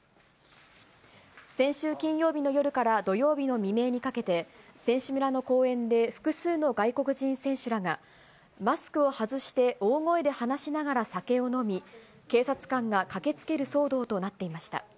先週金曜日の夜から土曜日の未明にかけて、選手村の公園で複数の外国人選手らが、マスクを外して大声で話しながら酒を飲み、警察官が駆けつける騒動となっていました。